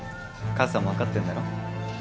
母さんも分かってんだろ？